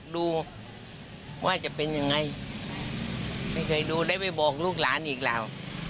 ดูว่าจะเป็นยังไงไม่เคยดูได้ไปบอกลูกหลานอีกแล้ว